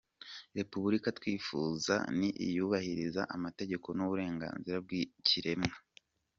Repubulika twifuza ni iyubahiriza amategeko n’uburenganzira bw’ikiremwa